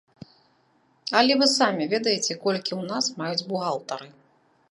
Але вы самі ведаеце, колькі ў нас маюць бухгалтары.